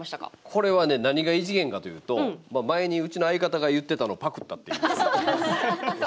これは何が異次元かというと前にうちの相方が言ってたのをパクったという。